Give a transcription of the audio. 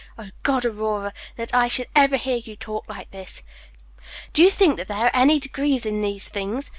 "O God, Aurora, that I should ever hear you talk like this! Do you think there are any degrees in these things?